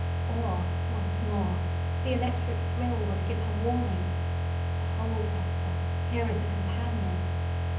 Or, once more, the electric thrill would give her warning—"Behold Hester, here is a companion!"